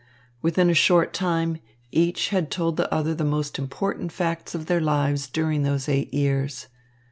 Within a short time, each had told the other the most important facts of their lives during those eight years.